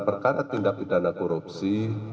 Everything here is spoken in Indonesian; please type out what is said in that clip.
perkara tindak pidana korupsi